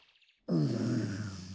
うん。